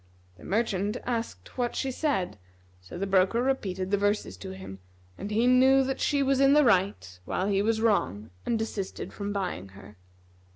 The merchant asked what she said: so the broker repeated the verses to him; and he knew that she was in the right while he was wrong and desisted from buying her.